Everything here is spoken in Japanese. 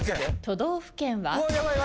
都道府県は？